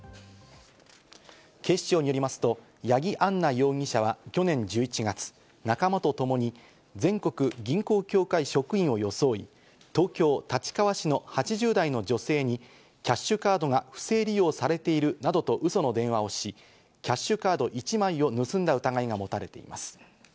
警視庁によりますと八木杏奈容疑者は去年１１月、仲間とともに全国銀行協会職員を装い、東京・立川市の８０代の女性にキャッシュカードが不正利用されているなどとウソの電話をし、キャッシュカード１枚を盗んだ疑いが持たれています。